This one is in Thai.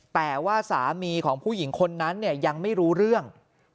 แต่ว่าสามีของผู้หญิงคนนั้นยังไม่รู้เรื่อง